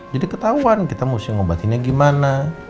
jadi ketahuan kita mesti ngobatinya gimana